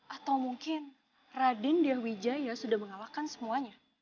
atau mungkin radindya wijaya sudah mengawalkan semuanya